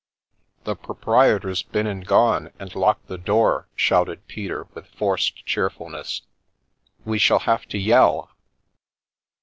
" The proprietor's been and gone and locked the door," shouted Peter, with forced cheerfulness. " We shall have to yell."